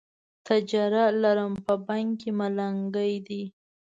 تجره لرم، په بنګ کې ملنګي ده